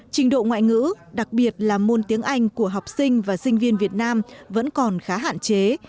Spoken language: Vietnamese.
trình độ ngoại ngữ đặc biệt là môn tiếng anh của học sinh và sinh viên việt nam vẫn còn khá hạn chế